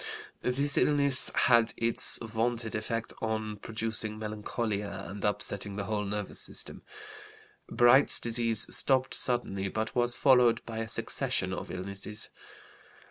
This illness had its wonted effect of producing melancholia and upsetting the whole nervous system. Bright's disease stopped suddenly but was followed by a succession of illnesses.